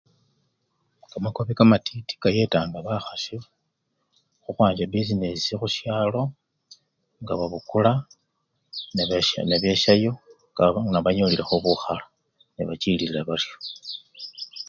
Kamakobi kamatiti kayetanga bakhasi khukhwanja bisinesii khusyalo ngababukula nebe! nebesyayo kabaa nga banyolilekho bukhala nebachililila baryo.